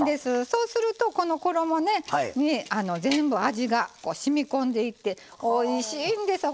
そうするとこの衣に全部味がしみこんでいっておいしいんです